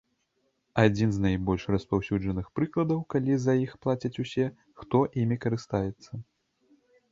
Адзін з найбольш распаўсюджаных прыкладаў, калі за іх плацяць усе, хто імі карыстаецца.